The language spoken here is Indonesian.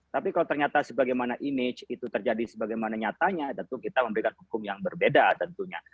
tapi kalau ternyata sebagaimana image itu terjadi sebagaimana nyatanya tentu kita memberikan hukum yang berbeda tentunya